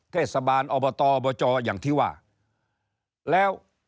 เทศบาลอบอจอย่างที่ว่า